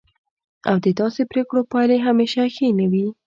او د داسې پریکړو پایلې همیشه ښې نه وي.